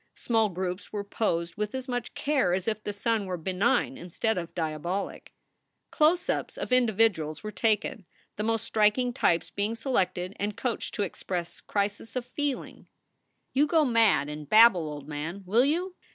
Small groups were posed with as much care as if the sun were benign instead of diabolic. Close ups of individuals were taken, the most striking types being selected and coached to express crises of feeling: " You go mad and babble, old man, will you?